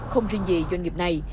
không riêng gì doanh nghiệp này